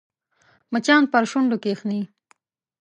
مچان پر شونډو کښېني